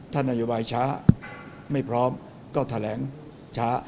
ถ้านโยบายช้าไม่พร้อมก็แถลงช้า